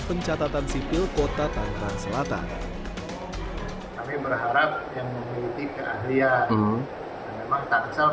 pencatatan sipil kota tangerang selatan tapi berharap yang memiliki keahlian memang taksel